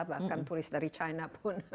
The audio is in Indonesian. bahkan turis dari china pun